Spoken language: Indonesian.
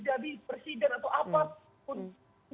jadi presiden atau apapun